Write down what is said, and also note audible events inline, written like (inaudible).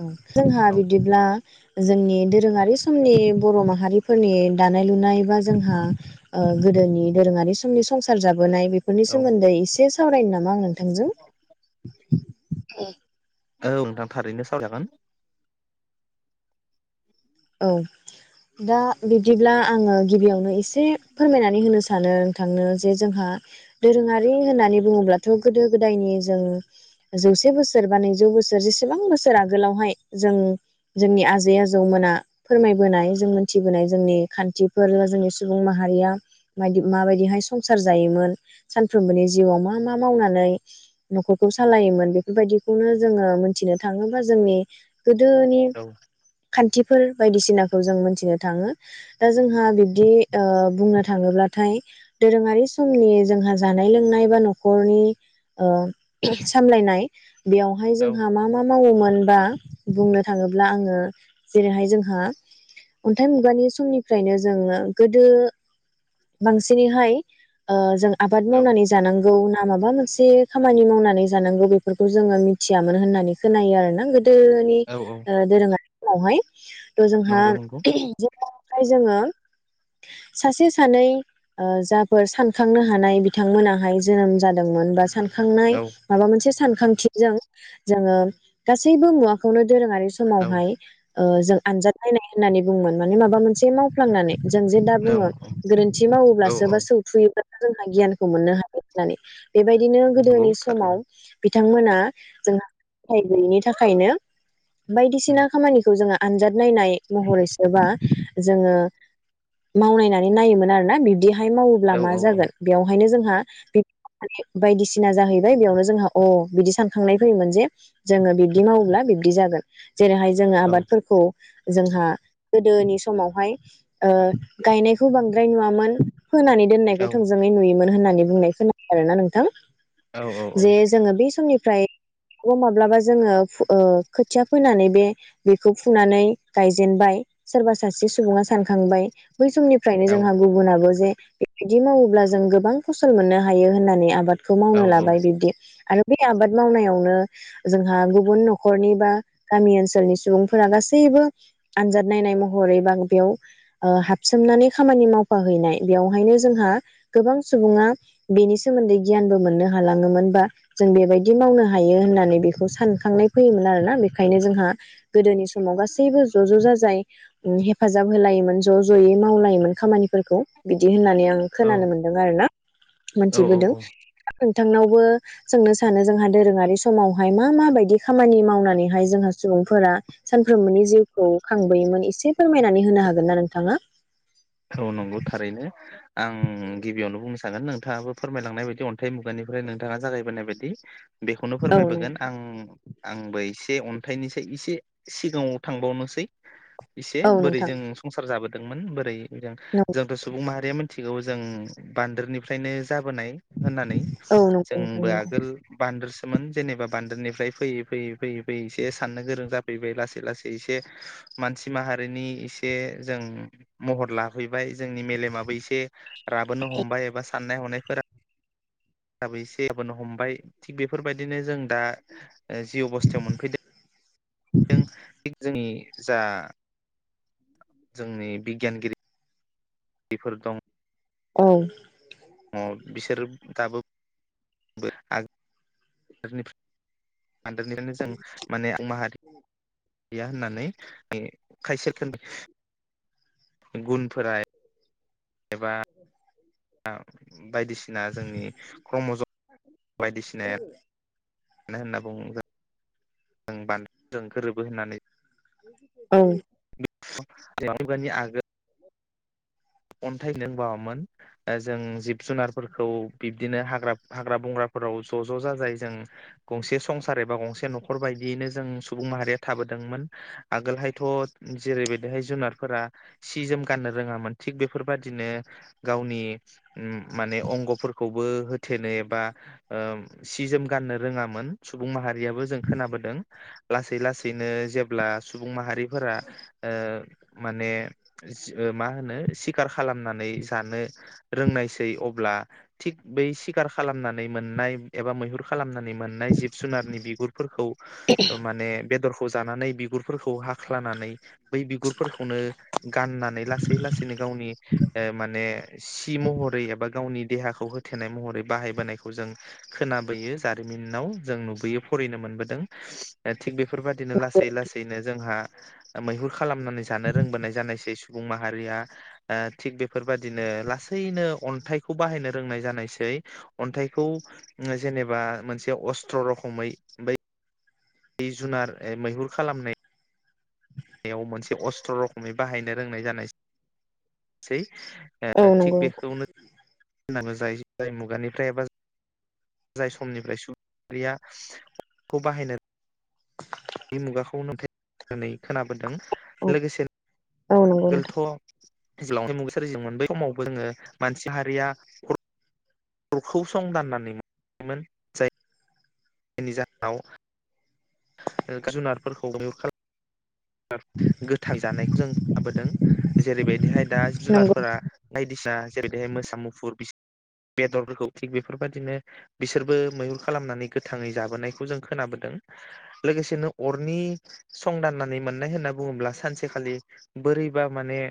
औ जोंहा औ बिदिब्ला जोंनि दोरोङारि समनि बर' माहारिफोरनि दानाय लुनाय बा जोंहा ओ गोदोनि दोरोङारि समनि संसार जाबाय नाय बेफोरनि औ सोमोन्दै एसे सावरायनो ना (unintelligible) नोंथांजों औ नोंथां थारैनो सावराय जागोन। औ दा बिदिब्ला आङो गिबियावनो एसे फोरमायनानै होनो सानो नोंथांनो जे जोंहा दोरोङारि होननानै बुङोब्लाथ' गोदो गोदायनि जों जौसे बोसोर बा नैजौ बोसोर जेसेबां बोसोर आगोलावहाय जों जोंनि आजै आजौमोना फोरमायबोनाय जों मोनथिबोनाय जोंनि खान्थिफोर बा जोंनि सुबुं माहारिया मा माबायदिहाय संसार जायोमोन सानफ्रोमबोनि जिउआव मा मा मावनानै न'खरखौ सालायोमोन बेफोरबायदिखौनो जोङो मोनथिनो थाङोबा जोंनि गोदोनि औ खान्थि फोर बायदिसिनाखौ जों मिथिनो थाङो दा जोंहा बिब्दि ओ बुंनो थाङोब्लाथाय दोरोङारि समनि जोंहा जानाय लोंनाय बा न'खरनि ओ सामलायनाय बेवहाय औ जोंहा मा मा मावोमोनबा बुंनो थाङोब्ला आङो जेरैहाय जोंहा अन्थाइ मुगानि समनिफ्रायनो जोङो गोदो बांसिनैहाय ओ जों आबाद औ मावनानै जानांगौ माबा मोनसे खामानि मावनानै जानांगौ बेफोरखौ जोङो मिथियामोन होननानै खोनायो आरोना गोदो दोनि औ औ ओ दोरोङा वहाय थ' जोंहा नंगौ नंगौ जेखाय जोङो सासे सानै ओ जाफोर सानखांनो हानाय बिथांमोनाहाय जोनोम जादोंमोन बा सान खांनाय औ माबा मोनसे सानखांथिजों जोङो गासैबो मुवाखौनो दोरोङारि औ समावहाय ओ जों आनजाद नायनाय होननानै बुंगोन माने माबा मोनसे मावफ्लांनानै जों जे दा औ बुङो गोरोन्थि औ मावोब्लासो बा औ सौथुयोब्ला जोंहा गियानखौ मोननो हायो होननानै बेबायदिनो नंगौ गोदोनि समाव थारैनो बिथांमोना जोंहा सोलोंथाय गैयिनि थाखायनो उम बायदिसिना जोङो आनजाद नायनाय महरैसोबा जोङो मावनायनानै नायोमोन आरो ना बिदिया हाय औ मावोब्ला मा औ जागोन बेयावहायनो जों बायदिसिना जाहैबाय बेयावनो जोंहा अ बिदि सानखांनाय फैयोमोन जे जोङो बिब्दि मावोब्ला बिब्दि जागोन जेरैहाय जोङो औ आबादफोरखौ जोंहा गोदोनि समावहाय ओ गायनायखौ बांद्राय नुवामोन फोनानै दोननायखौ थोंजोङै नुयोमोन होननानै बुंनाय खोनादों आरोना नोंथां औ औ जे जोङो बे समनि फ्रायबो माब्लाबा जोङो ओ खोथिया फोनानै बे बेखौ फुनानै गायजेनबाय सोरबा सासे सुबुङा सानखांबाय बै समनिफ्रायनो जोंहा गुबुनाबो जे बेबायदि मावोब्ला जों गोबां फसल मोननो हायो होननानै आबाद खौ औ मावनो लाबाय बिबदि आरो बे आबाद मावनायावनो जोंहा गुबुन न'खरनि बा गामि ओनसोलनि सुबुंफोरा गासैबो आनजाद नायनाय महरैबा बेयाव हाबसोमनानै खामानि मावफाह हैनाय बेवहायनो जोंहा गोबां सुबुङा बेनि सोमोन्दै गियानबो मोननो हालाङोमोन बा जों बेबायदि मावनो हायो होननानै बेखौ सानखांनाय फैयोमोन आरोना ओंखायनो जोंहा गोदोनि समाव गासैबो ज' ज' जाजाय हेफाजाब होलायोमोन ज' ज'यै मावलायोमोन खामानिफोरखौ बिदि होननानै आं खोनानो मोनदों आरोना औ औ मोनथिबोदों औ नोंथांनावबो जोंनो सानो जोंहा दोरोङारि समावहाय मा माबायदि खामानि मावनानैहाय जोंहा सुबुंफोरा सानफ्रोमबोनि जिउखौ खांबोयोमोन एसे फोरमायनानै होनो हागोन ना नोंथाङा औ नंगौ थारैनो आं गिबियावनो बुंनो सानो नोंथाङाबो फोरमायलांनाय बायदि अन्थाइ मुगानिफ्राय नोंथाङा जागायबोनाय बायदि बेखौनो फोरमायबोगोन आं आंबो एसे अन्थाइनिसाय एसे सिगाङाव थांबावनोसै एसे बोरै जों संसार जाबोदों दोंमोन बोरै जोंथ' सुबुं माहारिया मि थिगौ जों बान्दोरनिफ्रायनो जाबोनाय होननानै औ नंगौ जोंबो आगोल बान्दोरसो जेनेबा बान्दोरनिफ्राय फैयै फैयै फैयै फैयै एसे साननो गोरों जाफैबाय लासै लासै एसे मानसि माहारिनि एसे जों महर लाफैबाय जोंनि मेलेमाबो एसे राबोनो हमबाय एबा साननाय हनाय फोरा हिसाबै एसे हबोनो हमबाय थिग बेफोरबायदिनो जों दा जि अबस्थायाव मोनफैदों जों जोंनि जा जोंनि बिगियानगिरि बेफोर दं औ अ बिसोर दाबो आगोलनिफ्राय हादोरनिनो जों माने सुबुं माहारि गैया होननानै (unintelligible) खायसेे खोनदो गुनफोराय एबा बायदिसिना जोंनि क्र्मजन बायदिसिनाया मानो होनना बुंङोब्ला जों बान्दों गोरोबो होननानै औ (unintelligible) आगोल अन्थाइ लोंबावामोन जों जिब जुनारफोरखौ बिब्दिनो हाग्रा हाग्रा बंग्राफोराव ज' ज' जाजायै जों गंसे संसार एबा गंसे न'खर बायदियैनो जों सुबुं माहारिया थाबोदोंमोन आगोलहायथ' जेरैबायदिहाय जुनारफोरा सि जोम गाननो रोङामोन थिग बेफोरबाददिनो उम गावनि माने अंग'फोरखौबो होथेनो एबा ओ सि जोम गाननो रोङामोन सुबुं माहारियाबो जों खोनाबोदों लासै लासैनो जेब्ला सुबुं माहारिफोरा माने मा होनो सिखार खालामनानै जानो रोंनायसै अब्ला थिग बै सिखार खालामनानै मोननाय एबा मैहुर खालामनानै मोननाय जिब जुनारनि बिगुर फोरखौ माने बेदर खौ जानानै बिगुरफोरखौ हाख्लानानै बै बिगुरफोरखौनो गाननानै लासै लासै गावनि माने सि महरै एबा गावनि देहाखौ होथेनाय महरै बाहायबोनायखौ जों खोनाबोयो जारिमिनाव जों नुबोयो फरायनो मोनबोदों ओ थिग बेफोरबाददिनो लासै लासैनो जोंहा मैहुर खालामनानै जानो रोंबोनाय जानायसै सुबुं माहारिया ओ थिग बेफोरबादिनो लासैनो अन्थाइखौ बाहायनो रोंनाय जानायसै अन्थाइखौ जेनेबा मोनसे अस्थ्र' रखमै बै जि जुनार मैहुर खालामनाय आव मोनसे अस्त्र' रखमै बाहायनो रोंनाय जानायसै औ नंगौ (unintelligible) जायो जाय मुगानिफ्राय एबा जाय समनिफ्राय सु (unintelligible) याखौ बाहायनो बे मुगाखौ (unintelligible) नानै खोनाबोदों लोगोसे औ नंगौ नोंथां जज्लां मुगसारि जों बै समावबो जोङो मानसि हारिया अरखौ सं दाननानै मोनोमोन जाय जायनि जाहोनाव जुनारफोरखौ मैहुर खालाम गोथां जानाय जों लााबोदों जेरैबायदिहाय दा नंगौ जुनारफोरा बायदिसिना जेरैहाय मोसा मुफुर बेदरफोरखौ थि बेफोरबायाददिनो बिसोरबो मैहुर खालामनानै गोथाङै जाबोनायखौ जों खोनाबोदों लोगोसेनो अरनि संदाननानै मोननाय होननानै बुङोब्ला सानसेखालि बोरैबा माने